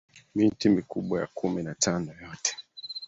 miti mikubwa ya kumi na tano yote